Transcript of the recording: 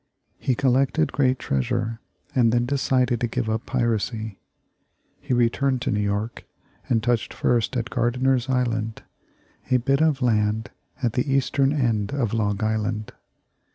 He collected great treasure, and then decided to give up piracy. He returned to New York, and touched first at Gardiner's Island, a bit of land at the eastern end of Long Island.